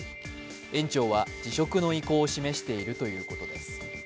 園長は辞職の意向を示しているということです。